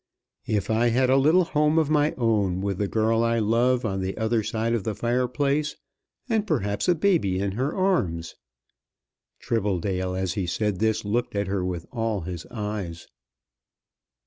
"If I had a little home of my own with the girl I love on the other side of the fireplace, and perhaps a baby in her arms " Tribbledale as he said this looked at her with all his eyes.